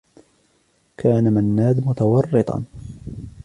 كان منّاد متورّطا.